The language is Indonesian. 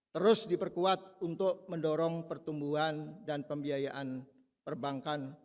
terus diperkuat untuk mendorong pertumbuhan dan pembiayaan perbankan